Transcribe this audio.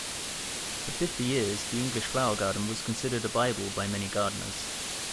For fifty years, The English Flower Garden was considered a bible by many gardeners.